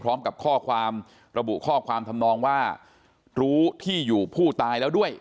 พร้อมกับข้อความระบุข้อความทำนองว่ารู้ที่อยู่ผู้ตายแล้วด้วย